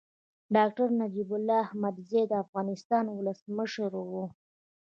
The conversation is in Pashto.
ډاکټر نجيب الله احمدزی د افغانستان ولسمشر و.